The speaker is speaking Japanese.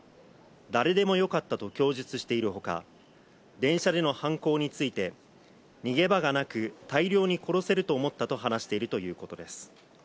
誰でもよかったと供述しているほか電車での犯行について、逃げ場がなく大量に殺せると思ったと話しているということです。